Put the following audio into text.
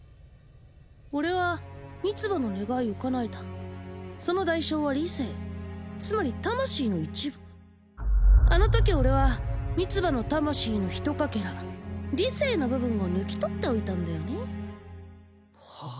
俺はミツバの願いをかなえたその代償は理性つまり魂の一部あの時俺はミツバの魂のひとかけら理性の部分を抜き取っておいたんだよねはあ？